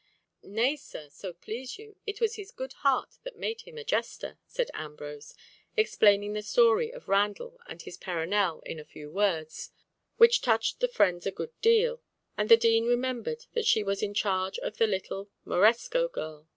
"Nay, sir, so please you, it was his good heart that made him a jester," said Ambrose, explaining the story of Randall and his Perronel in a few words, which touched the friends a good deal, and the Dean remembered that she was in charge of the little Moresco girl.